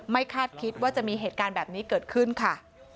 คาดคิดว่าจะมีเหตุการณ์แบบนี้เกิดขึ้นค่ะ